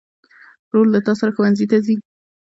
ورور له تا سره ښوونځي ته ځي.